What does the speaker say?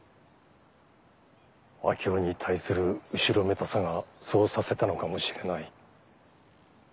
明生に対する後ろめたさがそうさせたのかもしれない。